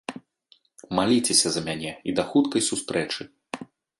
Маліцеся за мяне і да хуткай сустрэчы.